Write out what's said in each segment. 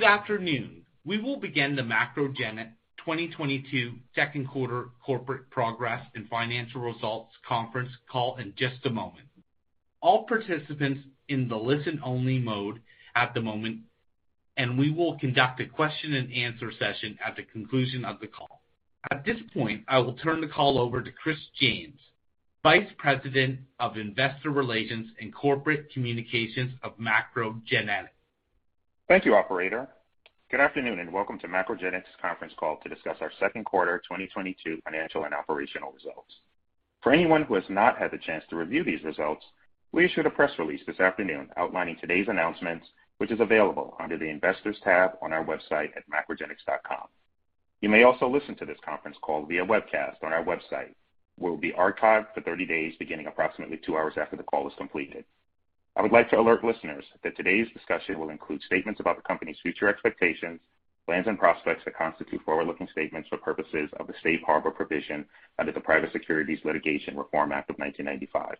Good afternoon. We will begin the MacroGenics 2022 second quarter corporate progress and financial results conference call in just a moment. All participants in the listen-only mode at the moment, and we will conduct a question and answer session at the conclusion of the call. At this point, I will turn the call over to Chris James, Vice President of Investor Relations & Corporate Communications of MacroGenics. Thank you, operator. Good afternoon, and welcome to MacroGenics conference call to discuss our second quarter 2022 financial and operational results. For anyone who has not had the chance to review these results, we issued a press release this afternoon outlining today's announcements, which is available under the Investors tab on our website at macrogenics.com. You may also listen to this conference call via webcast on our website that will be archived for 30 days beginning approximately 2 hours after the call is completed. I would like to alert listeners that today's discussion will include statements about the company's future expectations, plans, and prospects that constitute forward-looking statements for purposes of the Safe Harbor provision under the Private Securities Litigation Reform Act of 1995.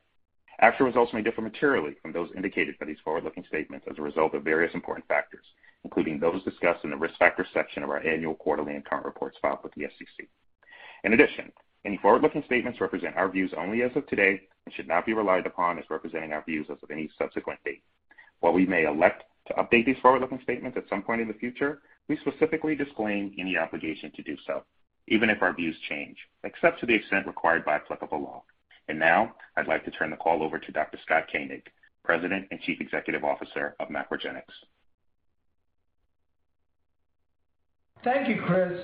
Actual results may differ materially from those indicated by these forward-looking statements as a result of various important factors, including those discussed in the Risk Factors section of our annual quarterly and current reports filed with the SEC. In addition, any forward-looking statements represent our views only as of today and should not be relied upon as representing our views as of any subsequent date. While we may elect to update these forward-looking statements at some point in the future, we specifically disclaim any obligation to do so, even if our views change, except to the extent required by applicable law. Now, I'd like to turn the call over to Dr. Scott Koenig, President and Chief Executive Officer of MacroGenics. Thank you, Chris.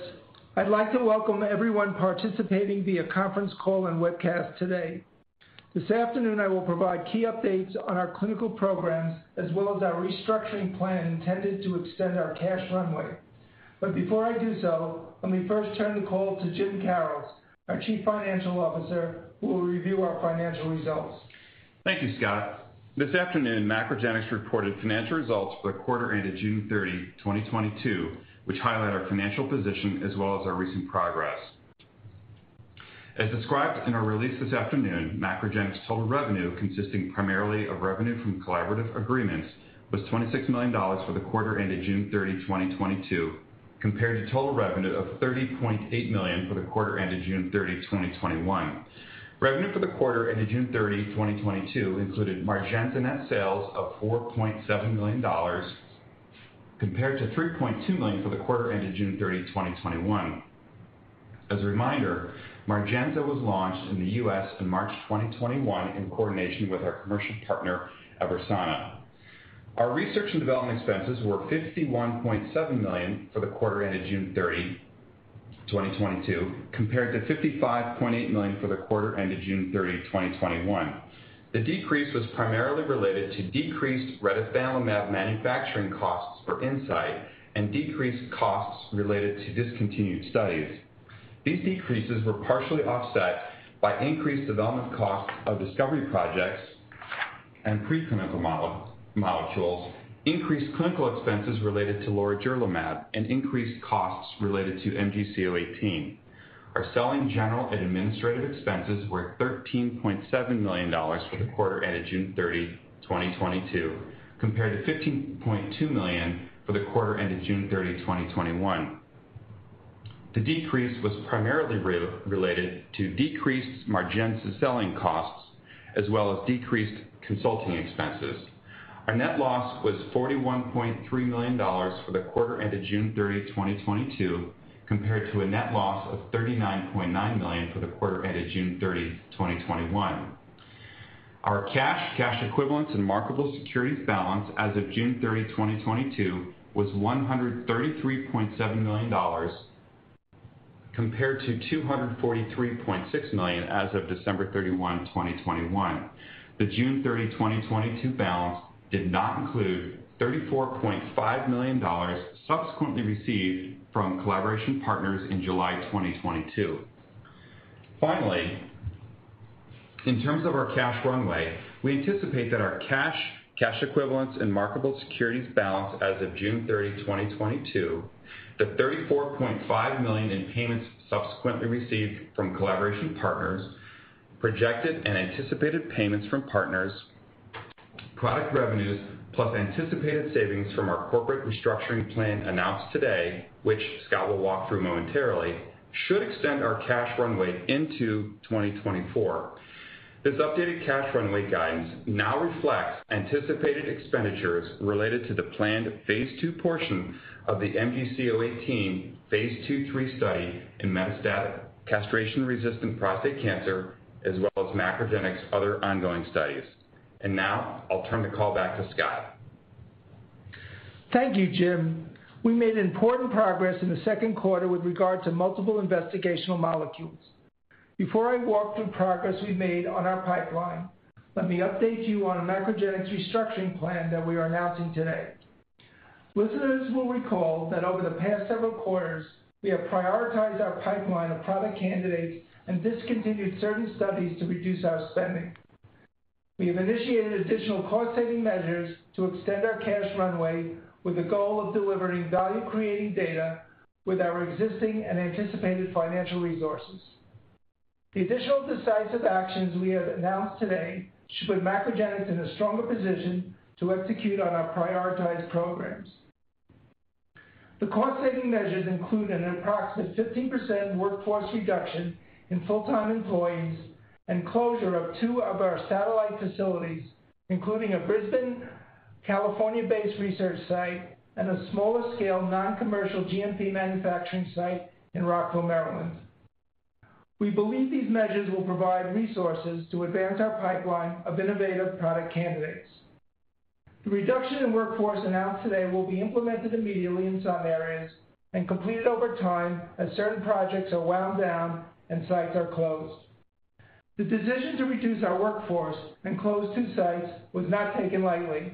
I'd like to welcome everyone participating via conference call and webcast today. This afternoon, I will provide key updates on our clinical programs as well as our restructuring plan intended to extend our cash runway. Before I do so, let me first turn the call to Jim Karrels, our Chief Financial Officer, who will review our financial results. Thank you, Scott. This afternoon, MacroGenics reported financial results for the quarter ended June 30, 2022, which highlight our financial position as well as our recent progress. As described in our release this afternoon, MacroGenics' total revenue, consisting primarily of revenue from collaborative agreements, was $26 million for the quarter ended June 30, 2022, compared to total revenue of $30.8 million for the quarter ended June 30, 2021. Revenue for the quarter ended June 30, 2022 included Margenza net sales of $4.7 million compared to $3.2 million for the quarter ended June 30, 2021. As a reminder, MARGENZA was launched in the U.S. in March 2021 in coordination with our commercial partner, EVERSANA. Our research and development expenses were $51.7 million for the quarter ended June 30, 2022, compared to $55.8 million for the quarter ended June 30, 2021. The decrease was primarily related to decreased retifanlimab manufacturing costs for Insight and decreased costs related to discontinued studies. These decreases were partially offset by increased development costs of discovery projects and preclinical model, molecules, increased clinical expenses related to lorigerlimab, and increased costs related to MGC018. Our selling general and administrative expenses were $13.7 million for the quarter ended June 30, 2022, compared to $15.2 million for the quarter ended June 30, 2021. The decrease was primarily related to decreased MARGENZA selling costs as well as decreased consulting expenses. Our net loss was $41.3 million for the quarter ended June 30, 2022, compared to a net loss of $39.9 million for the quarter ended June 30, 2021. Our cash equivalents and marketable securities balance as of June 30, 2022 was $133.7 million compared to $243.6 million as of December 31, 2021. The June 30, 2022 balance did not include $34.5 million subsequently received from collaboration partners in July 2022. Finally, in terms of our cash runway, we anticipate that our cash equivalents and marketable securities balance as of June 30, 2022, the $34.5 million in payments subsequently received from collaboration partners, projected and anticipated payments from partners, product revenues, plus anticipated savings from our corporate restructuring plan announced today, which Scott will walk through momentarily, should extend our cash runway into 2024. This updated cash runway guidance now reflects anticipated expenditures related to the planned phase II portion of the MGC018 phase 2/3 study in metastatic castration-resistant prostate cancer, as well as MacroGenics' other ongoing studies. Now I'll turn the call back to Scott. Thank you, Jim. We made important progress in the second quarter with regard to multiple investigational molecules. Before I walk through progress we made on our pipeline, let me update you on a MacroGenics restructuring plan that we are announcing today. Listeners will recall that over the past several quarters, we have prioritized our pipeline of product candidates and discontinued certain studies to reduce our spending. We have initiated additional cost-saving measures to extend our cash runway with the goal of delivering value-creating data with our existing and anticipated financial resources. The additional decisive actions we have announced today should put MacroGenics in a stronger position to execute on our prioritized programs. The cost-saving measures include an approximate 15% workforce reduction in full-time employees and closure of two of our satellite facilities, including a Brisbane, California-based research site and a smaller scale non-commercial GMP manufacturing site in Rockville, Maryland. We believe these measures will provide resources to advance our pipeline of innovative product candidates. The reduction in workforce announced today will be implemented immediately in some areas and completed over time as certain projects are wound down and sites are closed. The decision to reduce our workforce and close 2 sites was not taken lightly,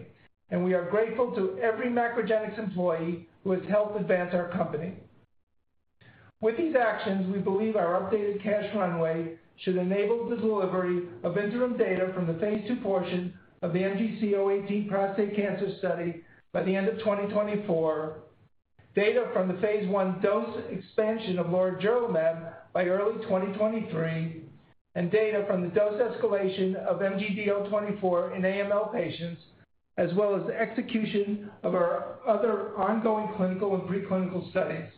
and we are grateful to every MacroGenics employee who has helped advance our company. With these actions, we believe our updated cash runway should enable the delivery of interim data from the phase II portion of the MGC018 prostate cancer study by the end of 2024. Data from the phase I dose expansion of lorigerlimab by early 2023, and data from the dose escalation of MGD024 in AML patients, as well as the execution of our other ongoing clinical and pre-clinical studies.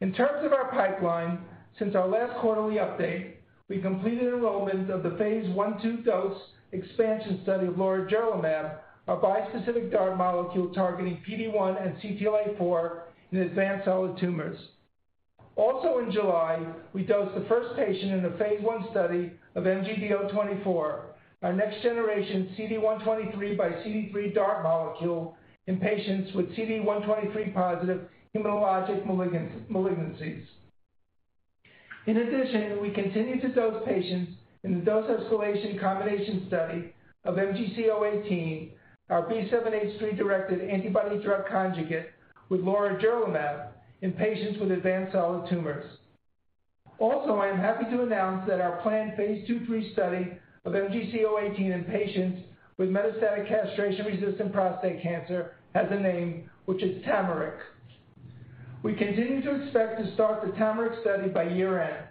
In terms of our pipeline, since our last quarterly update, we completed enrollment of the phase 1/2 dose expansion study of lorigerlimab, a bispecific DART molecule targeting PD-1 and CTLA-4 in advanced solid tumors. Also in July, we dosed the first patient in the phase I study of MGD024, our next-generation CD123 x CD3 DART molecule in patients with CD123-positive hematologic malignancies. In addition, we continue to dose patients in the dose escalation combination study of MGC018, our B7-H3-directed antibody-drug conjugate with lorigerlimab in patients with advanced solid tumors. I am happy to announce that our planned phase 2/3 study of MGC018 in patients with metastatic castration-resistant prostate cancer has a name, which is TAMARACK. We continue to expect to start the TAMARACK study by year-end.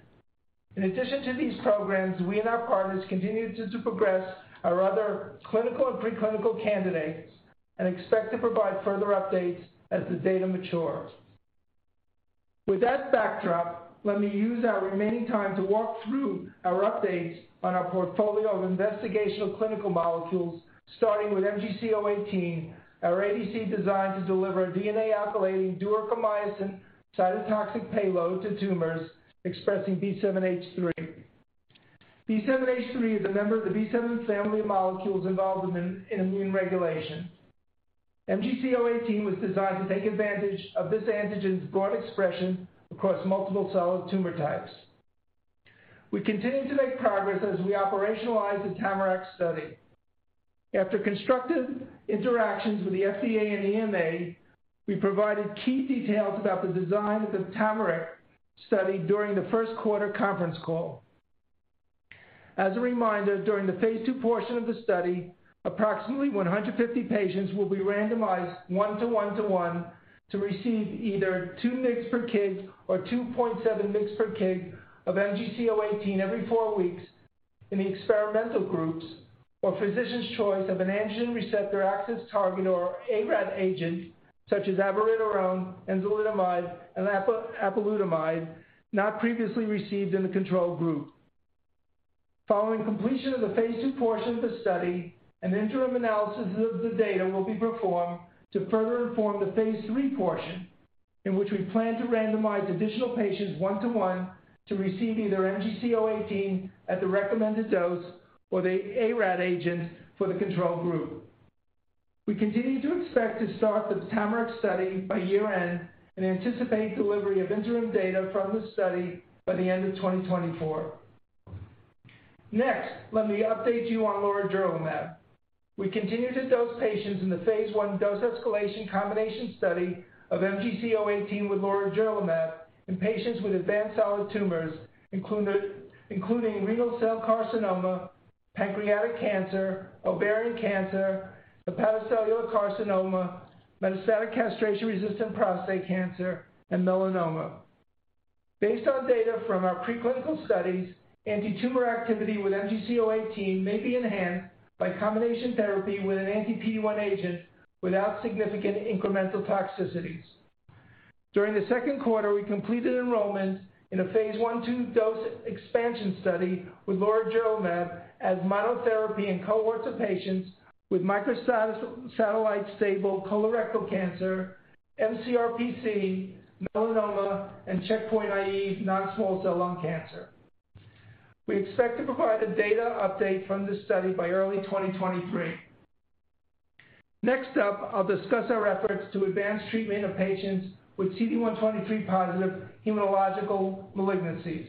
In addition to these programs, we and our partners continue to progress our other clinical and pre-clinical candidates and expect to provide further updates as the data matures. With that backdrop, let me use our remaining time to walk through our updates on our portfolio of investigational clinical molecules, starting with MGC018, our ADC designed to deliver a DNA alkylating duocarmycin cytotoxic payload to tumors expressing B7H3. B7H3 is a member of the B7 family of molecules involved in immune regulation. MGC018 was designed to take advantage of this antigen's broad expression across multiple solid tumor types. We continue to make progress as we operationalize the TAMARACK study. After constructive interactions with the FDA and EMA, we provided key details about the design of the TAMARACK study during the first quarter conference call. As a reminder, during the phase II portion of the study, approximately 150 patients will be randomized 1:1:1 to receive either 2 mg per kg or 2.7 mg per kg of MGC018 every 4 weeks in the experimental groups or physician's choice of an androgen receptor axis-targeted therapy or ARAT agent such as abiraterone, enzalutamide, and apalutamide not previously received in the control group. Following completion of the phase II portion of the study, an interim analysis of the data will be performed to further inform the phase III portion in which we plan to randomize additional patients 1:1 to receive either MGC018 at the recommended dose or the ARAT agent for the control group. We continue to expect to start the TAMARACK study by year-end and anticipate delivery of interim data from the study by the end of 2024. Next, let me update you on lorigerlimab. We continue to dose patients in the phase I dose escalation combination study of MGC018 with lorigerlimab in patients with advanced solid tumors, including renal cell carcinoma, pancreatic cancer, ovarian cancer, hepatocellular carcinoma, metastatic castration-resistant prostate cancer, and melanoma. Based on data from our pre-clinical studies, antitumor activity with MGC018 may be enhanced by combination therapy with an anti-PD-1 agent without significant incremental toxicities. During the second quarter, we completed enrollment in a phase 1/2 dose expansion study with lorigerlimab as monotherapy in cohorts of patients with microsatellite stable colorectal cancer, mCRPC, melanoma, and checkpoint inhibitor-experienced non-small cell lung cancer. We expect to provide a data update from this study by early 2023. Next up, I'll discuss our efforts to advance treatment of patients with CD123-positive hematologic malignancies.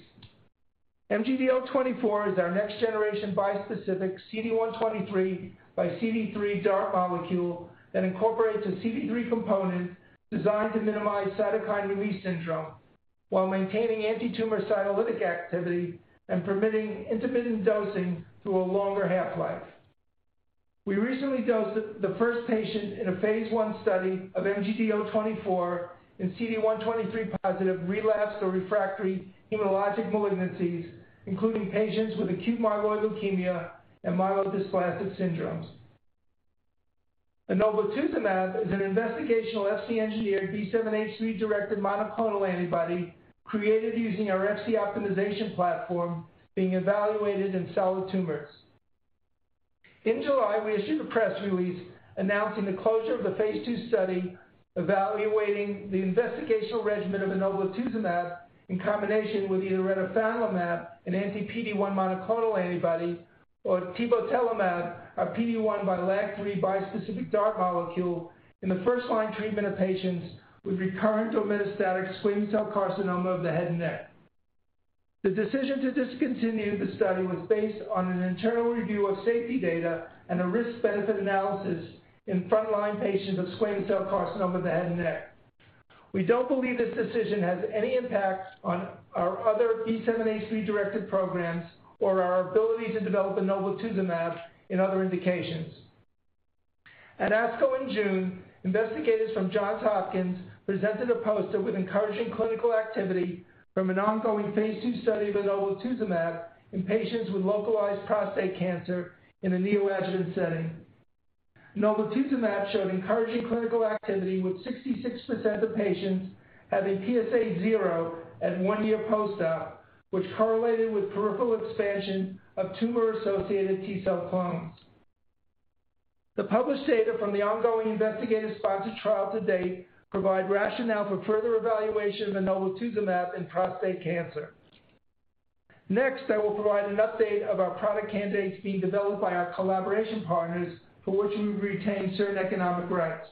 MGD024 is our next-generation bispecific CD123 × CD3 DART molecule that incorporates a CD3 component designed to minimize cytokine release syndrome while maintaining antitumor cytolytic activity and permitting intermittent dosing through a longer half-life. We recently dosed the first patient in a phase I study of MGD024 in CD123-positive relapsed or refractory hematologic malignancies, including patients with acute myeloid leukemia and myelodysplastic syndromes. Enoblituzumab is an investigational Fc-engineered B7-H3-directed monoclonal antibody created using our Fc Optimization platform being evaluated in solid tumors. In July, we issued a press release announcing the closure of the phase II study evaluating the investigational regimen of enoblituzumab in combination with either retifanlimab, an anti-PD-1 monoclonal antibody, or tebotelimab, a PD-1 by LAG-3 bispecific DART molecule in the first-line treatment of patients with recurrent or metastatic squamous cell carcinoma of the head and neck. The decision to discontinue the study was based on an internal review of safety data and a risk-benefit analysis in frontline patients with squamous cell carcinoma of the head and neck. We don't believe this decision has any impact on our other B7-H3-directed programs or our ability to develop enoblituzumab in other indications. At ASCO in June, investigators from Johns Hopkins presented a poster with encouraging clinical activity from an ongoing phase II study of enoblituzumab in patients with localized prostate cancer in a neoadjuvant setting. Enoblituzumab showed encouraging clinical activity, with 66% of patients having PSA zero at 1-year post-op, which correlated with peripheral expansion of tumor-associated T cell clones. The published data from the ongoing investigator-sponsored trial to date provide rationale for further evaluation of enoblituzumab in prostate cancer. Next, I will provide an update of our product candidates being developed by our collaboration partners for which we've retained certain economic rights.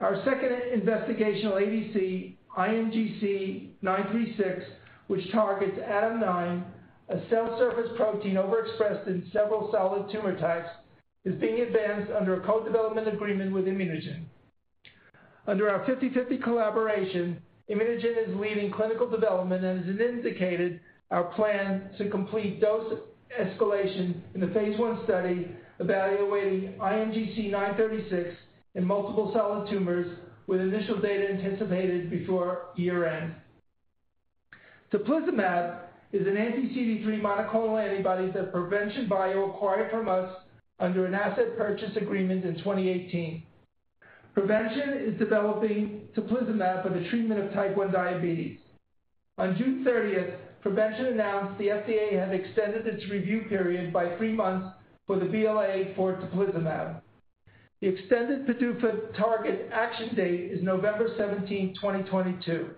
Our second investigational ADC, IMGC936, which targets ADAM9, a cell surface protein overexpressed in several solid tumor types, is being advanced under a co-development agreement with ImmunoGen. Under our 50/50 collaboration, ImmunoGen is leading clinical development and has indicated our plan to complete dose escalation in the phase I study evaluating IMGC936 in multiple solid tumors with initial data anticipated before year-end. Teplizumab is an anti-CD3 monoclonal antibody that Provention Bio acquired from us under an asset purchase agreement in 2018. Provention is developing Teplizumab for the treatment of type 1 diabetes. On June 30, Provention announced the FDA has extended its review period by three months for the BLA for Teplizumab. The extended PDUFA target action date is November 17, 2022.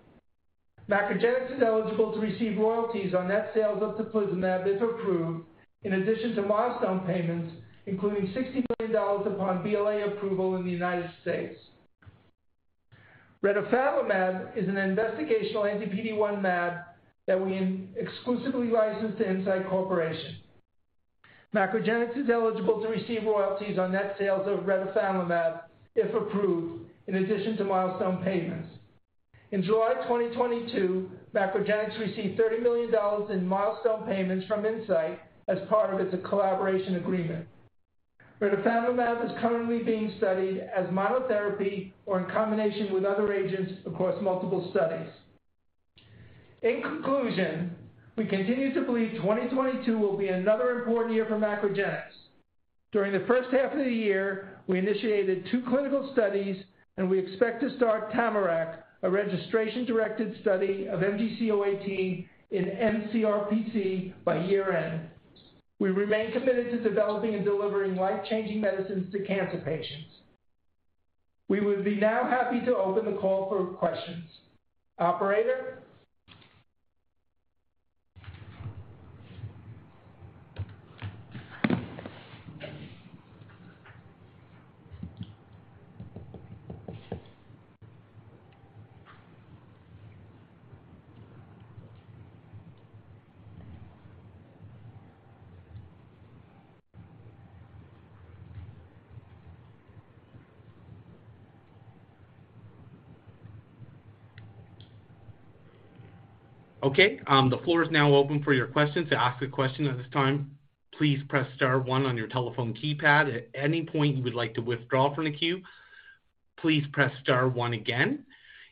MacroGenics is eligible to receive royalties on net sales of Teplizumab if approved, in addition to milestone payments, including $60 million upon BLA approval in the United States. Retifanlimab is an investigational anti-PD-1 mAb that we exclusively licensed to Incyte Corporation. MacroGenics is eligible to receive royalties on net sales of Retifanlimab if approved, in addition to milestone payments. In July 2022, MacroGenics received $30 million in milestone payments from Incyte as part of its collaboration agreement. Retifanlimab is currently being studied as monotherapy or in combination with other agents across multiple studies. In conclusion, we continue to believe 2022 will be another important year for MacroGenics. During the first half of the year, we initiated two clinical studies, and we expect to start TAMARACK, a registration-directed study of MGC018 in mCRPC, by year-end. We remain committed to developing and delivering life-changing medicines to cancer patients. We would now be happy to open the call for questions. Operator? Okay, the floor is now open for your questions. To ask a question at this time, please press star one on your telephone keypad. At any point you would like to withdraw from the queue, please press star one again.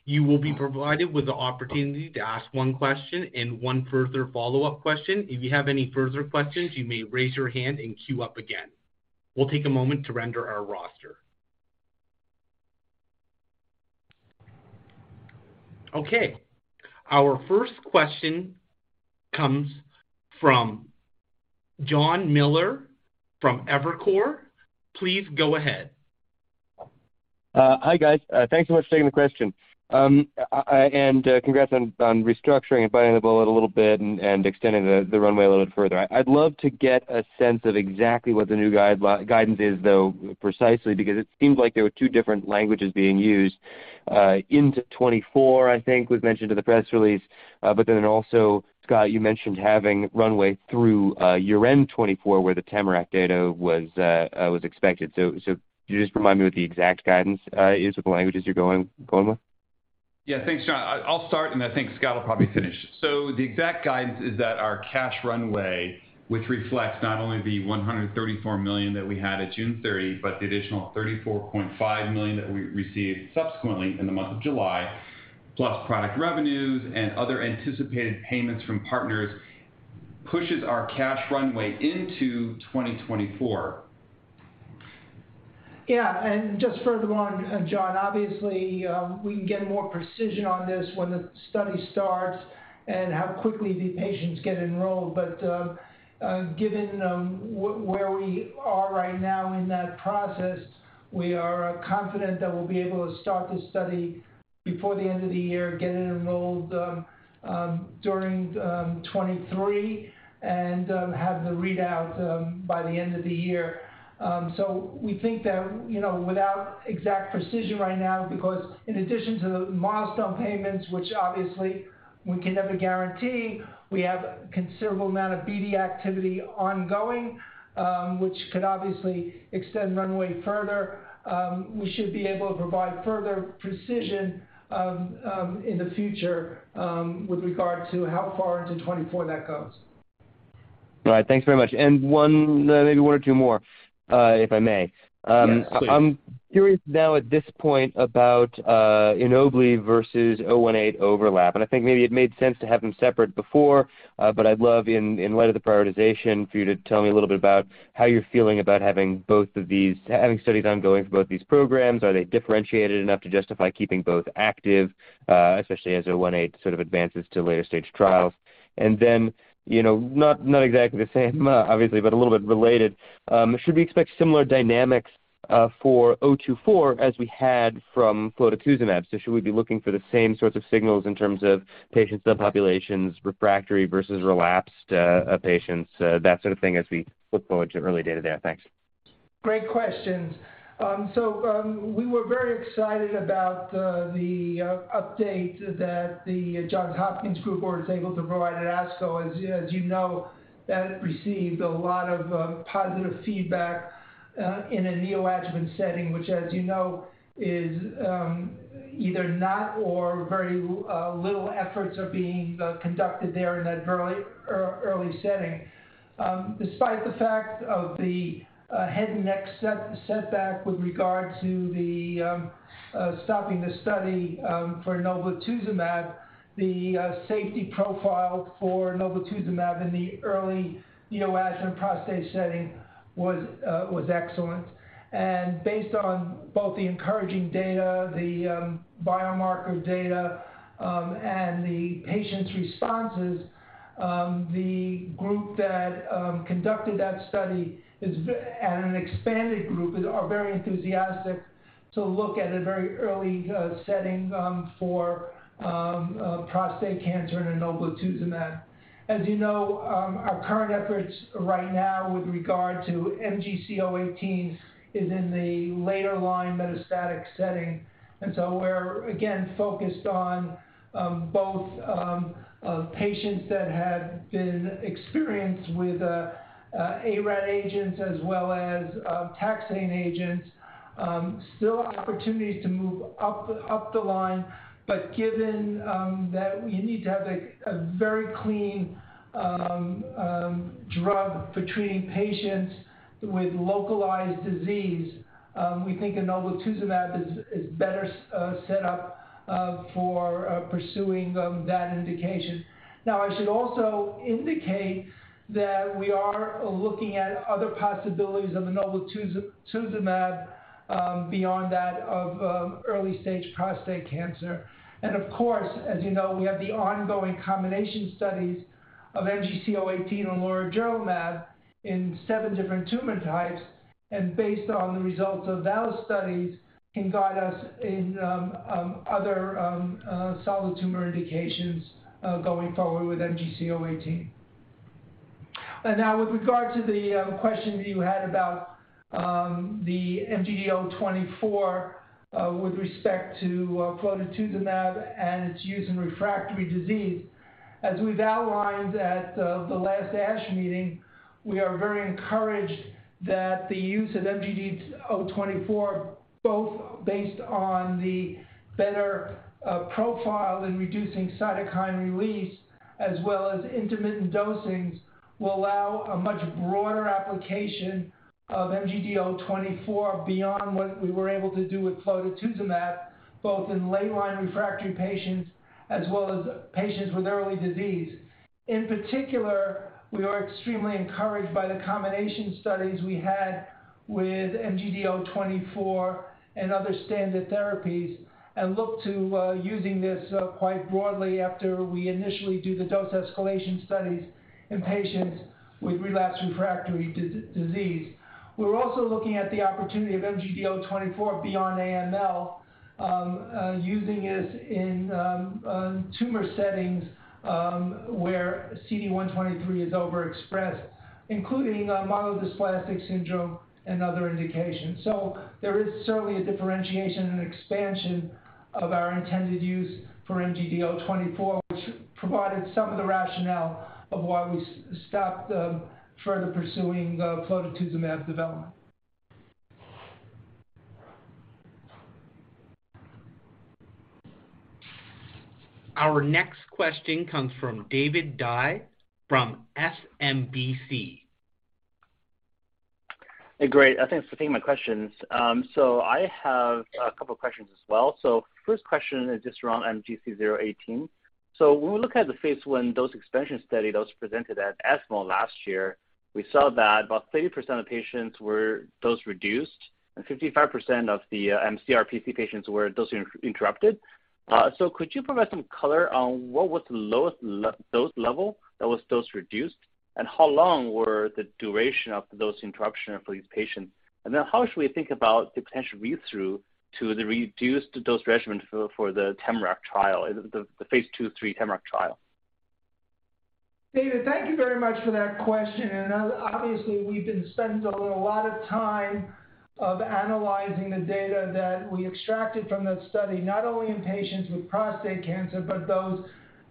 You will be provided with the opportunity to ask one question and one further follow-up question. If you have any further questions, you may raise your hand and queue up again. We'll take a moment to render our roster. Okay, our first question comes from Jonathan Miller from Evercore. Please go ahead. Hi guys. Thanks so much for taking the question. Congrats on restructuring and biting the bullet a little bit and extending the runway a little bit further. I'd love to get a sense of exactly what the new guidance is, though, precisely because it seems like there were two different languages being used into 2024, I think was mentioned in the press release. Then also, Scott, you mentioned having runway through year-end 2024, where the TAMARACK data was expected. Can you just remind me what the exact guidance usable language is you're going with? Yeah. Thanks, John. I'll start, and I think Scott will probably finish. The exact guidance is that our cash runway, which reflects not only the $134 million that we had at June 30, but the additional $34.5 million that we received subsequently in the month of July, plus product revenues and other anticipated payments from partners, pushes our cash runway into 2024. Yeah. Just further on, John, obviously, we can get more precision on this when the study starts and how quickly the patients get enrolled. Given where we are right now in that process, we are confident that we'll be able to start the study before the end of the year, get it enrolled during 2023, and have the readout by the end of the year. We think that, you know, without exact precision right now, because in addition to the milestone payments, which obviously we can never guarantee, we have a considerable amount of BD activity ongoing, which could obviously extend runway further. We should be able to provide further precision in the future with regard to how far into 2024 that goes. All right. Thanks very much. Maybe one or two more, if I may. Yes, please. I'm curious now at this point about enoblituzumab versus MGC018 overlap. I think maybe it made sense to have them separate before, but I'd love in light of the prioritization for you to tell me a little bit about how you're feeling about having both of these, having studies ongoing for both these programs. Are they differentiated enough to justify keeping both active, especially as MGC018 sort of advances to later-stage trials? Then, you know, not exactly the same, obviously, but a little bit related. Should we expect similar dynamics for MGD024 as we had from flotetuzumab? Should we be looking for the same sorts of signals in terms of patient subpopulations, refractory versus relapsed patients, that sort of thing as we look forward to early data there? Thanks. Great questions. We were very excited about the update that the Johns Hopkins group was able to provide at ASCO. As you know, that received a lot of positive feedback in a neoadjuvant setting, which, as you know, is either not or very little efforts are being conducted there in that early setting. Despite the fact of the head and neck setback with regard to the stopping the study for enoblituzumab, the safety profile for enoblituzumab in the early neoadjuvant prostate setting was excellent. Based on both the encouraging data, the biomarker data, and the patients' responses, the group that conducted that study and an expanded group are very enthusiastic to look at a very early setting for prostate cancer and enoblituzumab. As you know, our current efforts right now with regard to MGC018 is in the later line metastatic setting. We're, again, focused on both patients that have been experienced with ARAT agents as well as taxane agents. Still opportunities to move up the line, but given that you need to have a very clean drug for treating patients with localized disease, we think enoblituzumab is better set up for pursuing that indication. Now, I should also indicate that we are looking at other possibilities of enoblituzumab beyond that of early stage prostate cancer. Of course, as you know, we have the ongoing combination studies of MGC018 and lorigerlimab in seven different tumor types. Based on the results of those studies, can guide us in other solid tumor indications going forward with MGC018. Now with regard to the question you had about the MGD024, with respect to Flotetuzumab and its use in refractory disease, as we've outlined at the last ASH meeting, we are very encouraged that the use of MGD024, both based on the better profile in reducing cytokine release as well as intermittent dosings, will allow a much broader application of MGD024 beyond what we were able to do with Flotetuzumab, both in late line refractory patients as well as patients with early disease. In particular, we are extremely encouraged by the combination studies we had with MGD024 and other standard therapies and look to using this quite broadly after we initially do the dose escalation studies in patients with relapsed refractory disease. We're also looking at the opportunity of MGD024 beyond AML, using it in tumor settings where CD123 is overexpressed, including myelodysplastic syndrome and other indications. There is certainly a differentiation and expansion of our intended use for MGD024, which provided some of the rationale of why we stopped further pursuing the flotetuzumab development. Our next question comes from David Dai from SMBC. Hey, great. Thanks for taking my questions. I have a couple questions as well. First question is just around MGC018. When we look at the phase I dose expansion study, those presented at ESMO last year, we saw that about 30% of patients were dose reduced and 55% of the mCRPC patients were dose interrupted. Could you provide some color on what was the lowest dose level that was dose reduced, and how long were the duration of the dose interruption for these patients? And then how should we think about the potential read-through to the reduced dose regimen for the TAMARACK trial, the phase 2/3 TAMARACK trial? David, thank you very much for that question. Obviously, we've been spending a lot of time of analyzing the data that we extracted from that study, not only in patients with prostate cancer, but those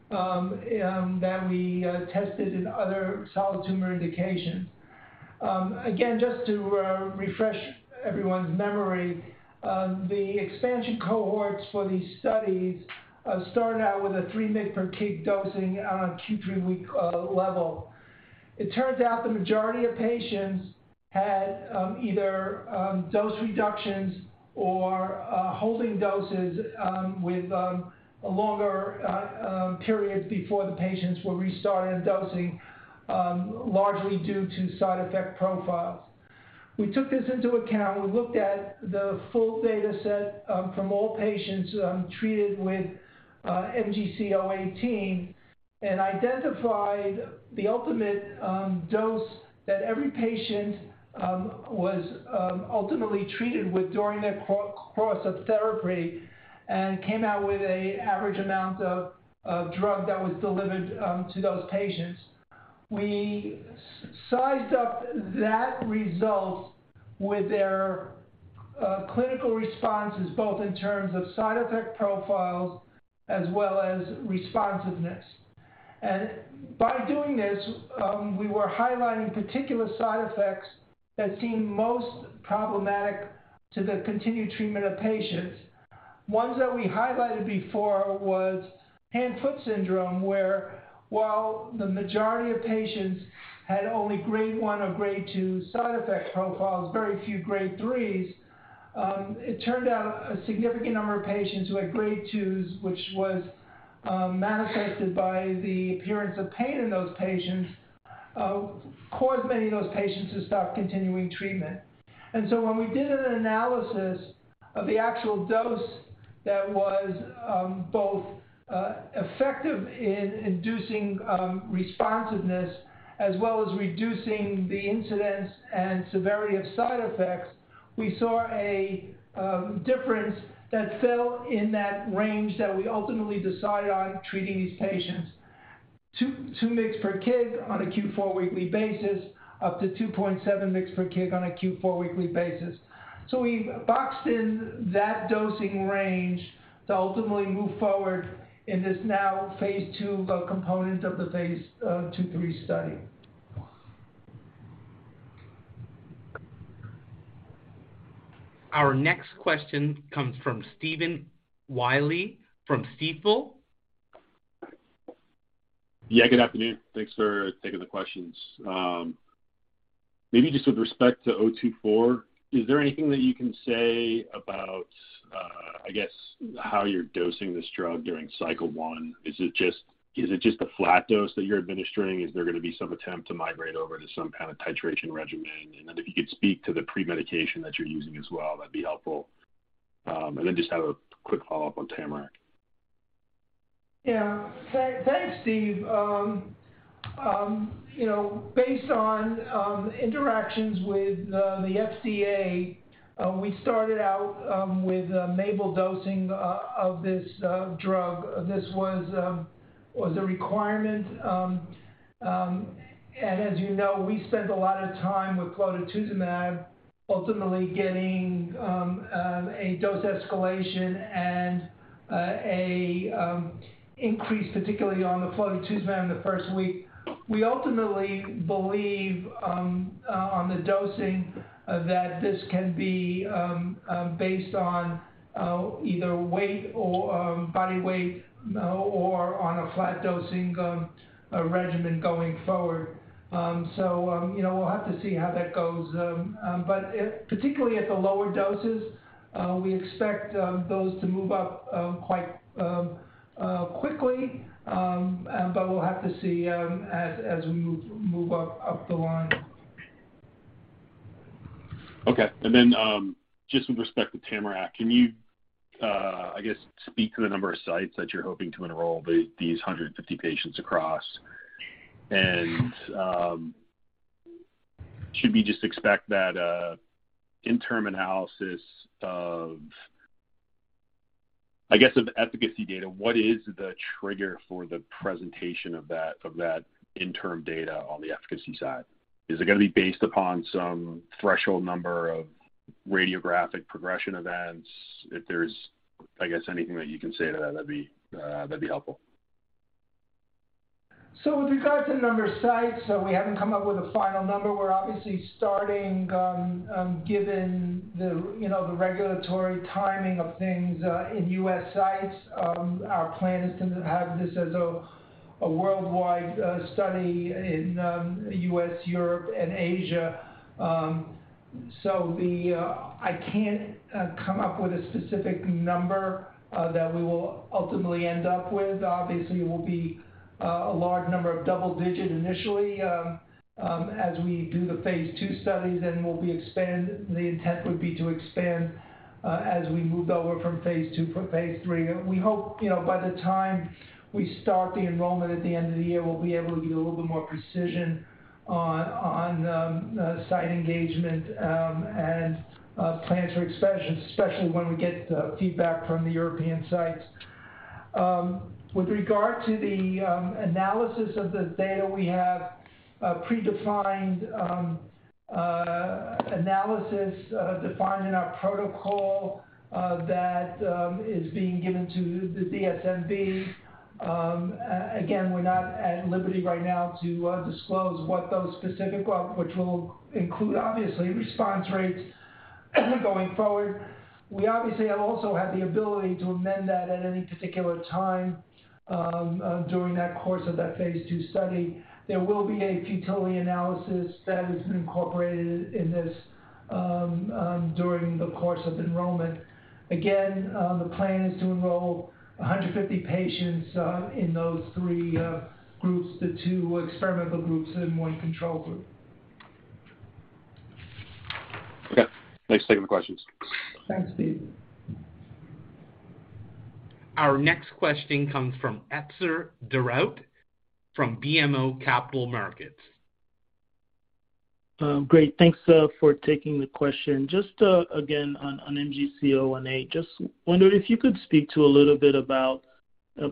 that we tested in other solid tumor indications. Again, just to refresh everyone's memory, the expansion cohorts for these studies started out with a 3 mg/kg dosing on a Q3-week level. It turns out the majority of patients had either dose reductions or holding doses with longer periods before the patients were restarted dosing, largely due to side effect profiles. We took this into account. We looked at the full data set from all patients treated with MGC018 and identified the ultimate dose that every patient was ultimately treated with during their course of therapy and came out with an average amount of drug that was delivered to those patients. We sized up that result with their clinical responses, both in terms of side effect profiles as well as responsiveness. By doing this, we were highlighting particular side effects that seemed most problematic to the continued treatment of patients. Ones that we highlighted before was hand-foot syndrome, where while the majority of patients had only grade 1 or grade 2 side effect profiles, very few grade 3s, it turned out a significant number of patients who had grade 2s, which was manifested by the appearance of pain in those patients, caused many of those patients to stop continuing treatment. When we did an analysis of the actual dose that was both effective in inducing responsiveness as well as reducing the incidence and severity of side effects, we saw a difference that fell in that range that we ultimately decided on treating these patients. 2 mg per kg on a Q4-weekly basis, up to 2.7 mg/kg on a Q4-weekly basis. We boxed in that dosing range to ultimately move forward in this now phase II component of the phase 2/3 study. Our next question comes from Stephen Willey from Stifel. Yeah, good afternoon. Thanks for taking the questions. Maybe just with respect to MGD024, is there anything that you can say about, I guess how you're dosing this drug during cycle one? Is it just a flat dose that you're administering? Is there gonna be some attempt to migrate over to some kind of titration regimen? If you could speak to the pre-medication that you're using as well, that'd be helpful. Just have a quick follow-up on TAMARACK. Yeah. Thanks, Steve. You know, based on interactions with the FDA, we started out with MABEL dosing of this drug. This was a requirement. As you know, we spent a lot of time with flotetuzumab, ultimately getting a dose escalation and an increase, particularly on the flotetuzumab in the first week. We ultimately believe on the dosing that this can be based on either weight or body weight or on a flat dosing regimen going forward. You know, we'll have to see how that goes. Particularly at the lower doses, we expect those to move up quite quickly. We'll have to see as we move up the line. Then, just with respect to TAMARACK, can you, I guess, speak to the number of sites that you're hoping to enroll these 150 patients across? Should we just expect that interim analysis of, I guess, of efficacy data, what is the trigger for the presentation of that, of that interim data on the efficacy side? Is it gonna be based upon some threshold number of radiographic progression events? If there's, I guess, anything that you can say to that'd be helpful. With regard to the number of sites, we haven't come up with a final number. We're obviously starting, given the, you know, the regulatory timing of things, in U.S. sites. Our plan is to have this as a worldwide study in U.S., Europe, and Asia. I can't come up with a specific number that we will ultimately end up with. Obviously, it will be a large number of double digit initially as we do the phase II studies, then the intent would be to expand as we move over from phase II to phase III. We hope, you know, by the time we start the enrollment at the end of the year, we'll be able to give a little bit more precision on site engagement and plans for expansion, especially when we get feedback from the European sites. With regard to the analysis of the data, we have a predefined analysis defined in our protocol that is being given to the DSMB. Again, we're not at liberty right now to disclose what those specific are, which will include obviously response rates going forward. We obviously have also had the ability to amend that at any particular time during that course of that phase II study. There will be a futility analysis that is incorporated in this during the course of enrollment. Again, the plan is to enroll 150 patients in those three groups, the two experimental groups and one control group. Okay. Thanks for taking the questions. Thanks, Steve. Our next question comes from Etzer Darout from BMO Capital Markets. Great. Thanks for taking the question. Just again on MGC018, just wondered if you could speak to a little bit about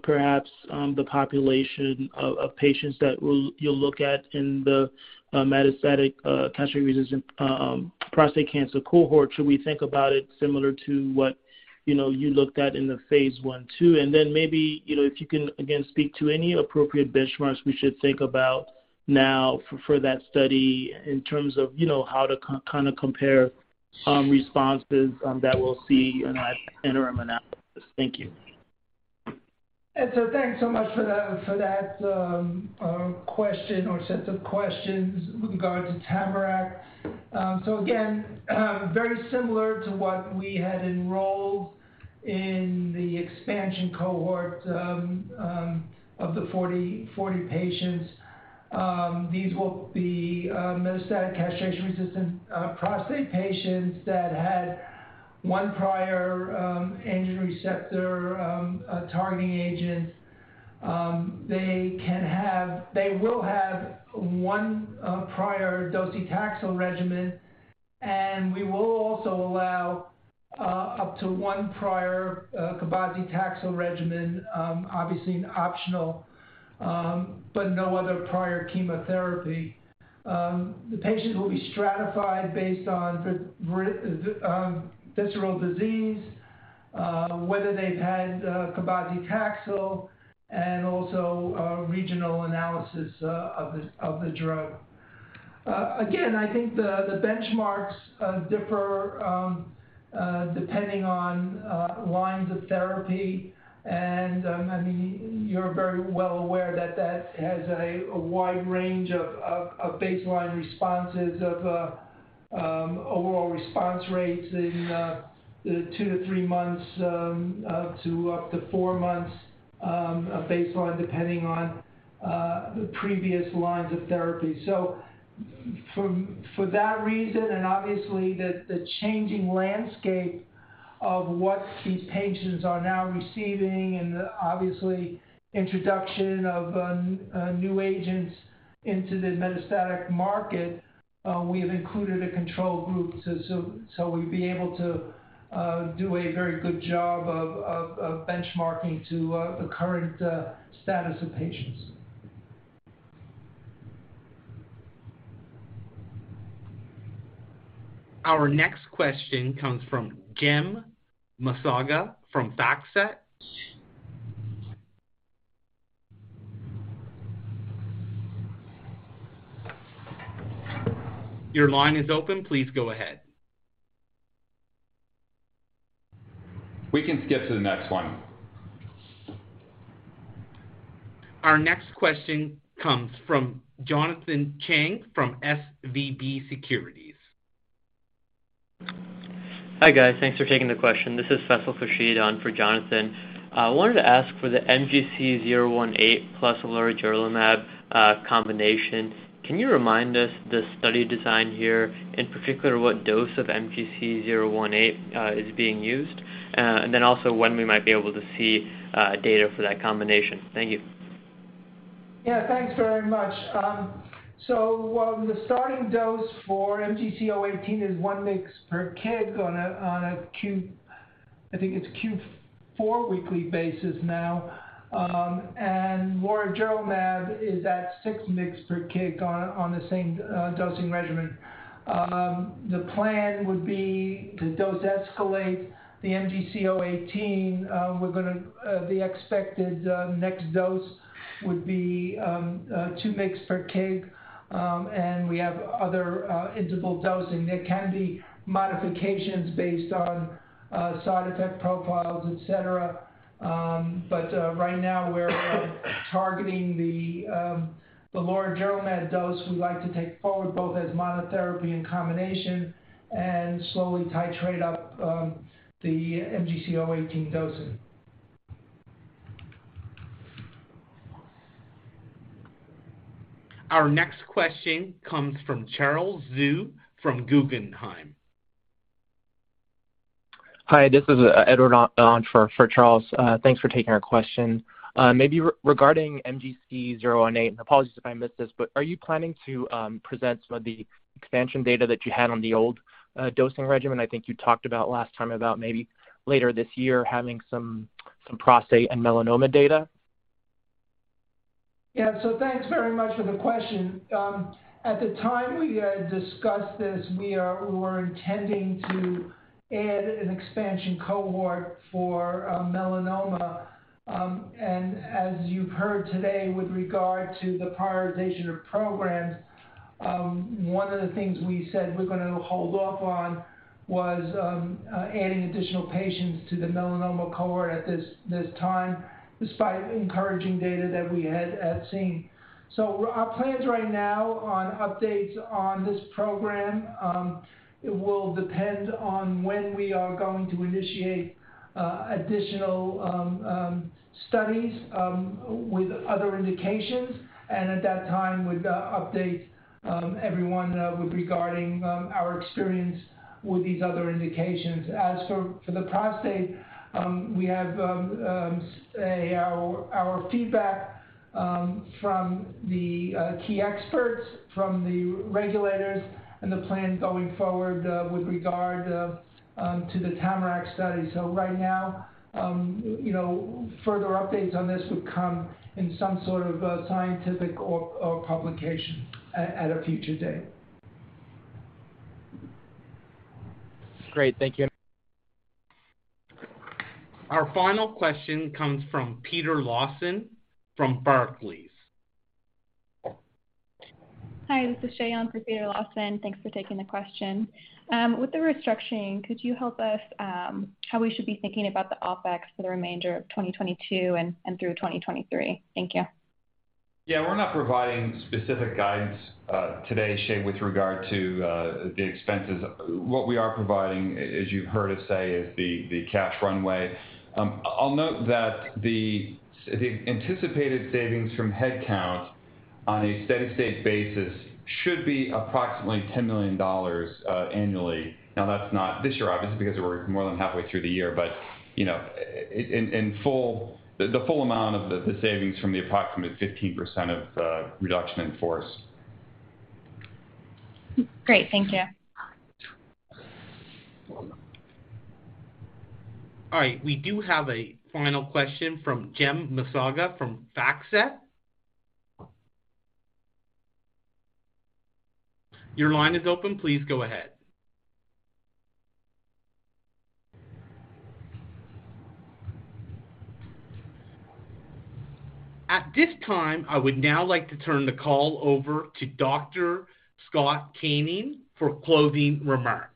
perhaps the population of patients that you'll look at in the metastatic castration-resistant prostate cancer cohort. Should we think about it similar to what you know you looked at in the phase I/II? Then maybe you know if you can again speak to any appropriate benchmarks we should think about now for that study in terms of you know how to kind of compare responses that we'll see in our interim analysis. Thank you. Etzer, thanks so much for that question or set of questions with regards to TAMARACK. Very similar to what we had enrolled in the expansion cohort of the 40 patients. These will be metastatic castration-resistant prostate patients that had one prior androgen receptor targeting agent. They will have one prior docetaxel regimen, and we will also allow up to one prior cabazitaxel regimen, obviously optional, but no other prior chemotherapy. The patients will be stratified based on the visceral disease, whether they've had cabazitaxel and also regional analysis of the drug. Again, I think the benchmarks differ depending on lines of therapy. I mean, you're very well aware that that has a wide range of baseline responses of overall response rates in two to three months to up to four months baseline, depending on the previous lines of therapy. For that reason, and obviously the changing landscape of what these patients are now receiving and obviously introduction of new agents into the metastatic market, we've included a control group so we'd be able to do a very good job of benchmarking to the current status of patients. Our next question comes from Jim Massaga from FactSet. Your line is open. Please go ahead. We can skip to the next one. Our next question comes from Jonathan Chang from SVB Securities. Hi, guys. Thanks for taking the question. This is Cecil Fashid on for Jonathan. I wanted to ask for the MGC018 plus avelumab combination. Can you remind us the study design here, in particular, what dose of MGC018 is being used? When we might be able to see data for that combination. Thank you. Yeah. Thanks very much. Well, the starting dose for MGC018 is 1 mg per kg on a Q4 weekly basis now. Lorigerlimab is at 6 mg per kg on the same dosing regimen. The plan would be to dose escalate the MGC018. The expected next dose would be 2 mg per kg. We have other interval dosing. There can be modifications based on side effect profiles, et cetera. Right now we're targeting the lorigerlimab dose we'd like to take forward, both as monotherapy and combination, and slowly titrate up the MGC018 dosing. Our next question comes from Charles Zhu from Guggenheim. Hi, this is Edward on for Charles. Thanks for taking our question. Maybe regarding MGC018, apologies if I missed this. Are you planning to present some of the expansion data that you had on the old dosing regimen? I think you talked about last time about maybe later this year having some prostate and melanoma data. Yeah. Thanks very much for the question. At the time we had discussed this, we were intending to add an expansion cohort for melanoma. As you've heard today with regard to the prioritization of programs, one of the things we said we're gonna hold off on was adding additional patients to the melanoma cohort at this time, despite encouraging data that we had seen. Our plans right now on updates on this program, it will depend on when we are going to initiate additional studies with other indications. At that time we'd update everyone with regard to our experience with these other indications. As for the prostate, we have our feedback from the key experts from the regulators and the plan going forward to the TAMARACK study. Right now, you know, further updates on this would come in some sort of a scientific or publication at a future date. Great. Thank you. Our final question comes from Peter Lawson from Barclays. Hi, this is Shayon for Peter Lawson. Thanks for taking the question. With the restructuring, could you help us how we should be thinking about the OpEx for the remainder of 2022 and through 2023? Thank you. Yeah. We're not providing specific guidance, today, Shayon, with regard to, the expenses. What we are providing, as you've heard us say, is the cash runway. I'll note that the anticipated savings from headcount on a steady state basis should be approximately $10 million annually. Now, that's not this year, obviously, because we're more than halfway through the year. You know, in full, the full amount of the savings from the approximate 15% reduction in force. Great. Thank you. All right. We do have a final question from Cem Mazaga from FactSet. Your line is open. Please go ahead. At this time, I would now like to turn the call over to Dr. Scott Koenig for closing remarks.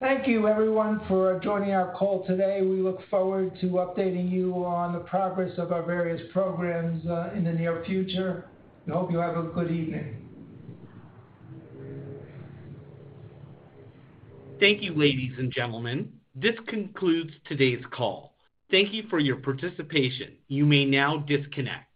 Thank you everyone for joining our call today. We look forward to updating you on the progress of our various programs, in the near future, and hope you have a good evening. Thank you, ladies and gentlemen. This concludes today's call. Thank you for your participation. You may now disconnect.